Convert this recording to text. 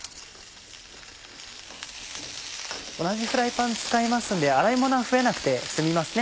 同じフライパン使いますので洗いものが増えなくて済みますね。